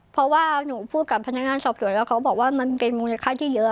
เพราะว่าหนูพูดกับพนัทห้างซอบสวดเขาก็บอกว่ามันเป็นมูลในค่าที่เยอะ